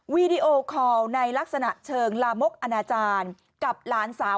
วีดีโอคอลในลักษณะเชิงลามกอนาจารย์กับหลานสาว